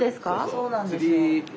そうなんですよ。